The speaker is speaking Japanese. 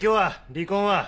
離婚は？